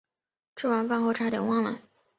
吃完饭后差点忘了